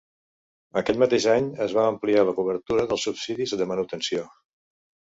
Aquell mateix any, es va ampliar la cobertura dels subsidis de manutenció.